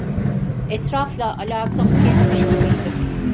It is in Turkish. Etrafla alakamı kesmiş gibiydim.